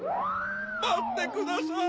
まってください！